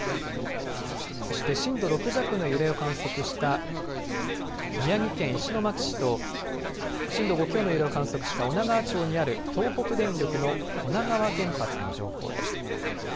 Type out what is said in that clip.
そして震度６弱の揺れを観測した宮城県石巻市と震度５強の揺れを観測した女川町にある東北電力の女川原発の情報です。